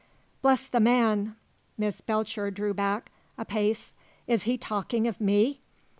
"Bless the man!" Miss Belcher drew back a pace "is he talking of me?"